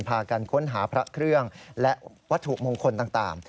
พากันค้นหาพระเครื่องและวัตถุมงคลต่าง